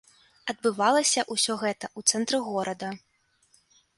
Адбывалася ўсё гэта ў цэнтры горада.